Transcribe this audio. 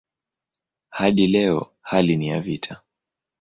Hadi leo hali ni ya vita.